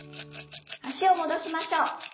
脚を戻しましょう。